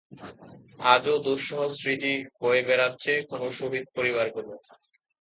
আজও দুঃসহ স্মৃতি বয়ে বেড়াচ্ছে কোন শহীদ পরিবারগুলো?